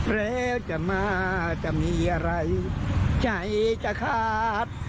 แล้วเอ๊ยใจจะขาด